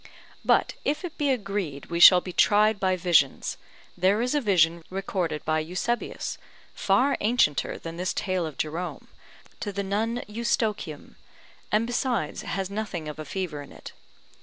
But if it be agreed we shall be tried by visions, there is a vision recorded by Eusebius, far ancienter than this tale of Jerome, to the nun Eustochium, and, besides, has nothing of a fever in it.